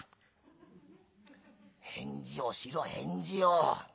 返事をしろ返事を。